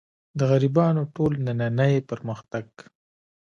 د غربیانو ټول نننۍ پرمختګ.